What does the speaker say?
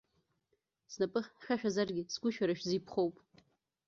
Снапы хьшәашәазаргьы сгәы шәара шәзы иԥхоуп.